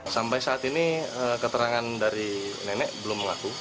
sampai saat ini keterangan dari nenek belum mengaku